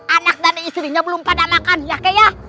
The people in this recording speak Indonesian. anak dan istrinya belum pada makan ya kakek ya